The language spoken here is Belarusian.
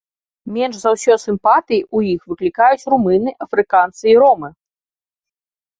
Менш за ўсё сімпатыі ў іх выклікаюць румыны, афрыканцы і ромы.